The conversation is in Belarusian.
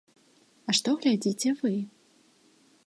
А што глядзіце вы?